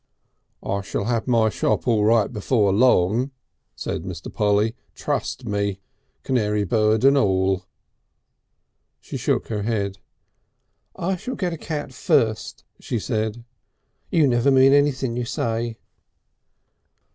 "I shall have my shop all right before long," said Mr. Polly. "Trust me. Canary bird and all." She shook her head. "I shall get a cat first," she said. "You never mean anything you say."